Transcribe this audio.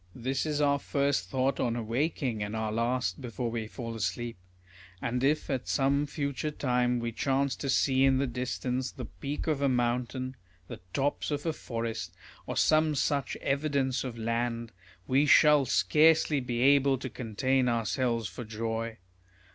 This is our first thought on awaking, and our last before we fall asleep. And if at some future COLUMBUS AND GUTIERREZ. 143 time we chance to see in the distance the peak of a mountain, the tops of a forest, or some such evidence of land, we shall scarcely be able to contain ourselves for joy.